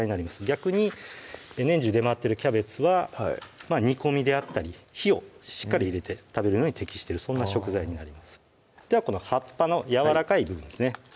逆に年中出回っているキャベツは煮込みであったり火をしっかり入れて食べるのに適してるそんな食材になりますではこの葉っぱのやわらかい部分ですね